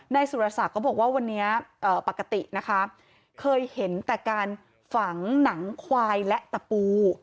สุรศักดิ์ก็บอกว่าวันนี้ปกตินะคะเคยเห็นแต่การฝังหนังควายและตะปู